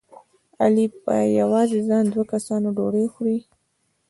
علي په یوازې ځان د دوه کسانو ډوډۍ خوري.